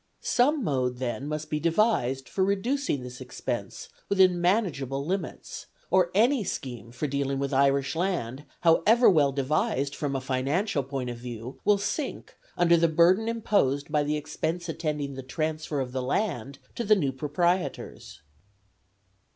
Some mode, then, must be devised for reducing this expense within manageable limits, or any scheme for dealing with Irish land, however well devised from a financial point of view, will sink under the burden imposed by the expense attending the transfer of the land to the new proprietors.